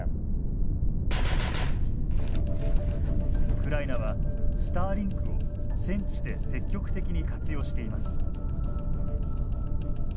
ウクライナはスターリンクを戦地で積極的に活用しています。